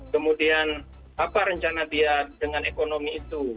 kemudian apa rencana dia dengan ekonomi itu